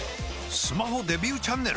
スマホデビューチャンネル！？